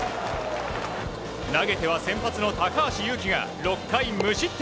投げては先発の高橋優貴が６回無失点。